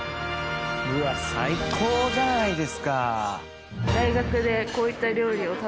うわっ最高じゃないですか！